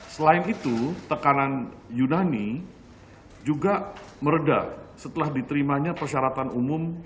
selain itu tekanan yunani juga meredah setelah diterimanya persyaratan umum